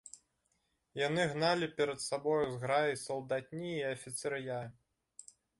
Яны гналі перад сабою зграі салдатні і афіцар'я.